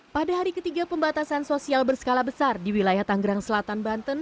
pada hari ketiga pembatasan sosial berskala besar di wilayah tanggerang selatan banten